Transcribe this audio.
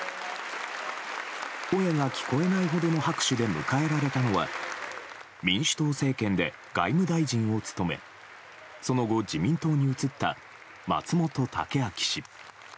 声が聞こえないほどの拍手で迎えられたのは民主党政権で外務大臣を務めその後、自民党に移った松本剛明氏。